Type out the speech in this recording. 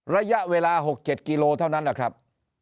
ระยะเวลา๖๗กิโลเท่านั้นแหละครับ